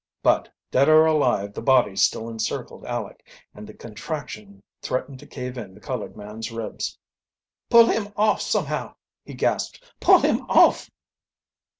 But dead or alive the body still encircled Aleck, and the contraction threatened to cave in the colored man's ribs. "Pull him off somehow!" he gasped. "Pull him off!"